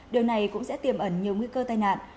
điều này cũng sẽ tiềm ẩn nhiều nguy cơ tai nạn